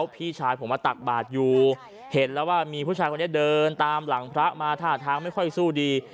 พี่ชายผมมาตักบาทอยู่เห็นแล้วว่ามีผู้ชายคนนี้เดินตามหลังพระมาท่าทางไม่ค่อยสู้ดี